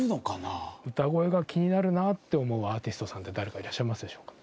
歌声が気になるなって思うアーティストさんって誰かいらっしゃいますでしょうか？